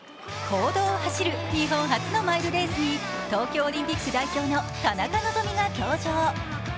公道を走る日本初のマイルレースに東京オリンピック代表の田中希実が登場。